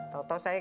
tau tau saya kayak